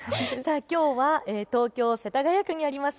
きょうは東京世田谷区にあります